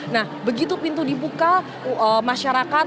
nah begitu pintu dibuka masyarakat